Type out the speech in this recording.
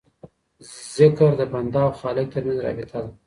ذکر د بنده او خالق ترمنځ رابطه ده.